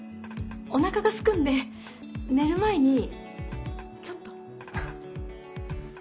おなかがすくんで寝る前にちょっと。